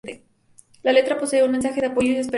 La letra posee un mensaje de apoyo y esperanza.